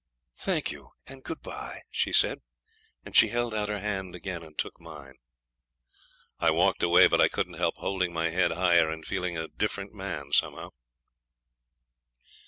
'Thank you, and good bye,' she said, and she held out her hand again and took mine. I walked away, but I couldn't help holding my head higher, and feeling a different man, somehow.